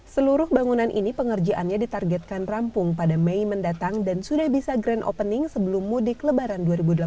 seluruh bangunan ini pengerjaannya ditargetkan rampung pada mei mendatang dan sudah bisa grand opening sebelum mudik lebaran dua ribu delapan belas